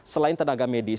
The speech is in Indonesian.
selain tenaga medis